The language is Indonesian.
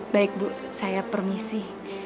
baik bu saya permisi